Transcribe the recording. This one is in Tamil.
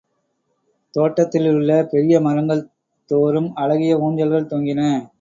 தோட்டத்திலுள்ள பெரிய மரங்கள் தோறும் அழகிய ஊஞ்சல்கள் தொங்கின.